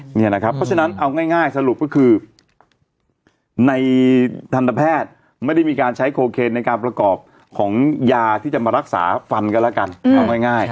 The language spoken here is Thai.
เพราะฉะนั้นเอาง่ายสรุปก็คือในทันตแพทย์ไม่ได้มีการใช้โคเคนในการประกอบของยาที่จะมารักษาฟันกันแล้วกันเอาง่าย